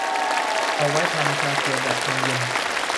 เอาไว้ทำชาเชียวแบบชงเย็น